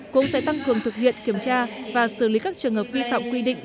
cũng sẽ tăng cường thực hiện kiểm tra và xử lý các trường hợp vi phạm quy định